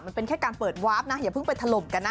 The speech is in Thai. มันเป็นแค่การเปิดวาร์ฟนะอย่าเพิ่งไปถล่มกันนะ